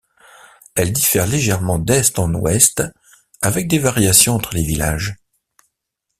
Elle diffère légèrement d'Est en Ouest avec des variations entre les villages.